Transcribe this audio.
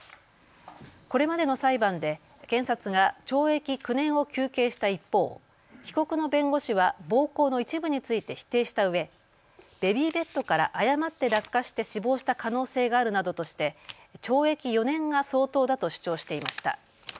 これまでの裁判で検察が懲役９年を求刑した一方、被告の弁護士は暴行の一部について否定したうえベビーベッドから誤って落下して死亡した可能性があるなどとして懲役４年が相当だと主張していました。